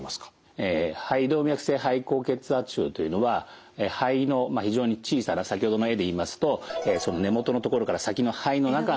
肺動脈性肺高血圧症というのは肺の非常に小さな先ほどの絵で言いますとその根元の所から先の肺の中の方に。